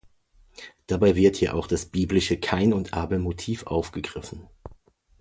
Dabei wird hier auch das biblische Kain und Abel-Motiv aufgegriffen.